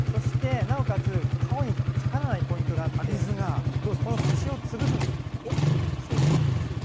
なおかつ、顔にかからないポイントがあって縁を潰すんです。